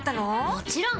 もちろん！